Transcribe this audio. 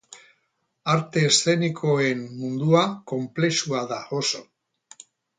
Arte eszenikoen mundua konplexua da, oso.